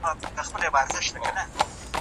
اسکیمو یان له یونانیانو سره څه فرق لري؟